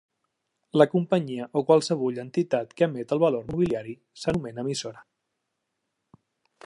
La companyia o qualsevulla entitat que emet el valor mobiliari s'anomena emissora.